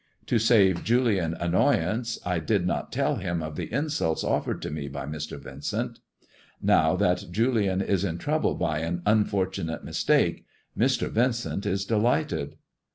To save Julian an noyance I did not tell him of the insults offered to me by Mr. Yincent. Now that Julian is in trouble by an unfortunate mistake, Mr. Vincent is delighted."